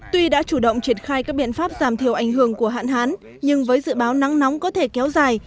tuy đã chủ động triển khai các biện pháp giảm thiểu ảnh hưởng của hạn hán nhưng với dự báo nắng nóng có thể kéo dài